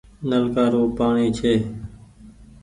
نلڪآ رو پآڻيٚ ڇي۔